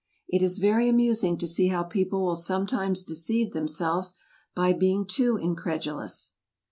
It is very amusing to see how people will sometimes deceive themselves by being too incredulous.